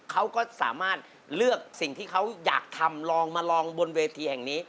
เขาก็สามารถเลือกสิ่งที่เขาอยากทำลองมาลองบนเวทีแห่งนี้